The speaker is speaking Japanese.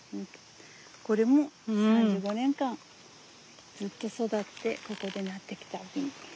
これも３５年間ずっと育ってここでなってきた。